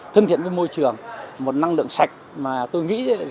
thân thiện với môi trường một năng lượng sạch mà tôi nghĩ